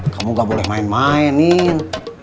kamu gak boleh main mainin